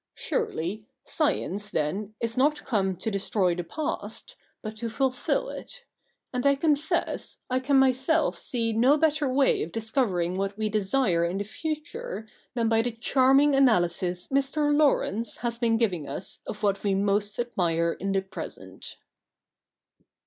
Surely, science, then, is not come to destroy the past, but to fulfil it — andT" confess I can myself see no better way of discovering what we desire in the future than by the charming analysis Mr. Laurence has been giving us of what we most admire in the present.'